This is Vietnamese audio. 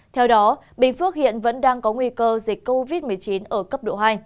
theo đó bình phước hiện vẫn đang có nguy cơ dịch covid một mươi chín ở cấp độ hai